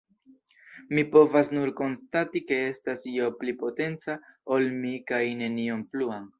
Mi povas nur konstati ke estas io pli potenca ol mi, kaj nenion pluan.